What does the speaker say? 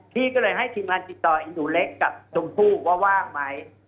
พี่ก็เลยให้ทีมงานติดต่ออีหนูเล็กกับชมพู่ว่าว่างไหม